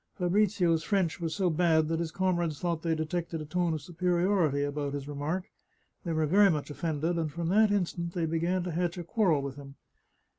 Fabrizio's French was so bad that his comrades thought they detected a tone of superiority about his remark ; they were very much offended, and from that instant they began to hatch a quarrel with him.